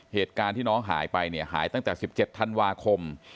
เหตุการณ์ที่น้องหายไปเนี่ยหายตั้งแต่๑๗ธันวาคม